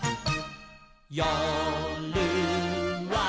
「よるは」